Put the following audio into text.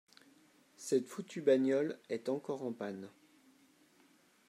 Cette foutue bagnole est encore en panne.